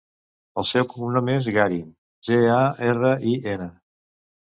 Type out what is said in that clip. El seu cognom és Garin: ge, a, erra, i, ena.